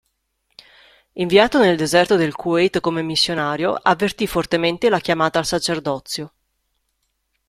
Inviato nel deserto del Kuwait come missionario, avvertì fortemente la chiamata al sacerdozio.